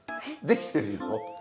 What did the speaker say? できてるよ。